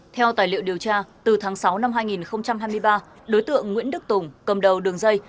theo tài liệu điều tra từ tháng sáu năm hai nghìn hai mươi ba đối tượng nguyễn đức tùng cầm đầu đường dây